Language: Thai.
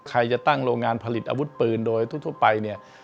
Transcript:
ใครจะตั้งโรงงานผลิตอาวุธปืนโดยทุกไป